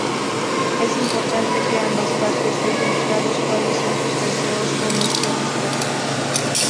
Es importante que ambas partes dejen claros cuáles son sus deseos en este respecto.